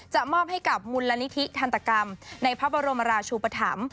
จะมอบให้กับมุลละนิทิธรรตกรรมในพระบรมราชุปธรรม